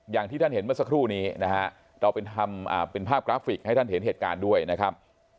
อย่างที่ท่านเห็นเมื่อสักครู่นี้นะฮะเราทำเป็นภาพกราฟิกให้ท่านเห็นเหตุการณ์ด้วยนะครับ